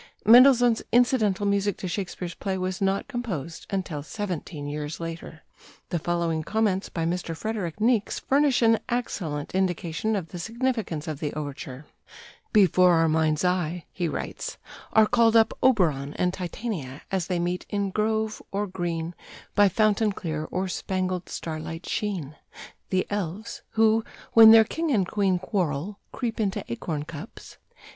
Mendelssohn's incidental music to Shakespeare's play was not composed until seventeen years later. The following comments by Mr. Frederick Niecks furnish an excellent indication of the significance of the overture: "Before our mind's eye," he writes, "are called up Oberon and Titania as they meet in 'grove or green by fountain clear or spangled starlight sheen'; the elves, who, when their king and queen quarrel, creep into acorn cups